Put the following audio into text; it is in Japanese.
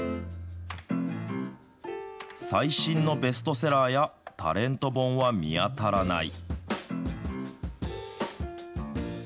最新のベストセラーやタレント本は見当たらない。